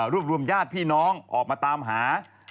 รวบรวมญาติพี่น้องออกมาตามหา